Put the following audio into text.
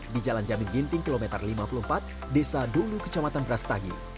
di jalan jamin ginting kilometer lima puluh empat desa dulu kecamatan brastagi